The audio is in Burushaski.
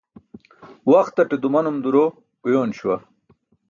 Waxtate dumanum duro uyoon śuwa